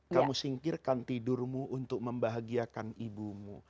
kamu singkirkan tidurmu untuk membahagiakan ibumu